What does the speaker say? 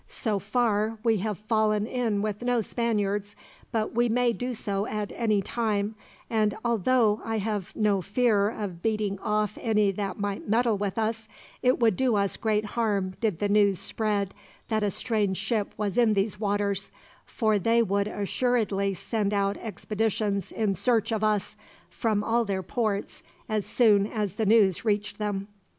So far we have fallen in with no Spaniards, but we may do so at any time; and although I have no fear of beating off any that might meddle with us, it would do us great harm did the news spread that a strange ship was in these waters; for they would assuredly send out expeditions in search of us, from all their ports, as soon as the news reached them."